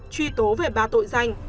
truy tố về ba tội danh